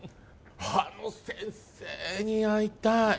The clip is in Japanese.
あの先生に会いたい。